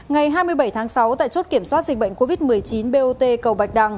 ngày hai mươi bảy tháng sáu tại chốt kiểm soát dịch bệnh covid một mươi chín bot cầu bạch đăng